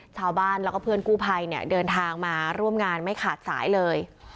ชาวบ้านแล้วก็เพื่อนกู้ภัยเนี่ยเดินทางมาร่วมงานไม่ขาดสายเลย